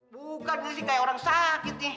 bukan sih kayak orang sakit nih